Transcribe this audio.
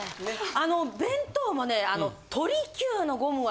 あの弁当もね。